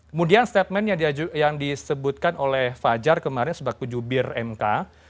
kemudian statement yang disebutkan oleh fajar kemarin sebagai jubir mk